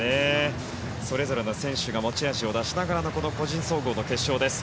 それぞれの選手が持ち味を出しながらのこの個人総合の決勝です。